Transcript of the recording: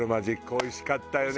おいしかったよね！